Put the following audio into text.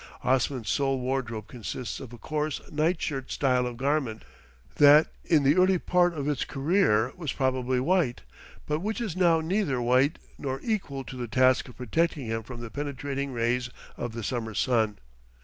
Osman's sole wardrobe consists of a coarse night shirt style of garment, that in the early part of its career was probably white, but which is now neither white nor equal to the task of protecting him from the penetrating rays of the summer sun.